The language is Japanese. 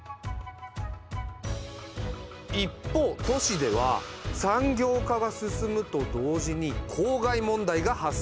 一方都市では産業化が進むと同時に公害問題が発生。